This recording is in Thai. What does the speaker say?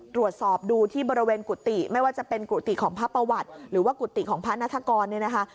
ตรวจสอบดูที่บริเวณกุฏิไม่ว่าจะเป็นกุฏิของพระประวัติหรือว่ากุฏิของพระนัฐกรเนี่ยนะคะ